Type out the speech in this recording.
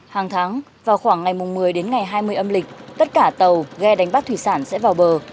hàng tháng vào khoảng ngày một mươi đến ngày hai mươi âm lịch tất cả tàu ghe đánh bắt thủy sản sẽ vào bờ